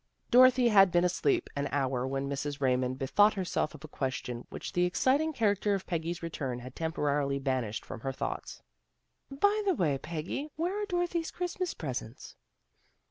Dorothy had been asleep an hour when Mrs. Raymond bethought herself of a question w T hich the exciting character of Peggy's return had temporarily banished from her thoughts. :' By the way, Peggy, where are Dorothy's Christmas presents?